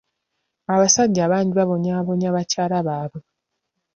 Abasajja bangi babonyaabonya bakyala baabwe.